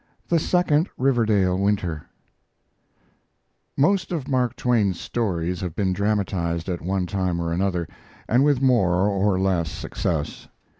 THE SECOND RIVERDALE WINTER Most of Mark Twain's stories have been dramatized at one time or another, and with more or less success.